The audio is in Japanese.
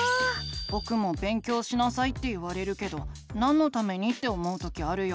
ぼくも「勉強しなさい」って言われるけどなんのためにって思う時あるよ。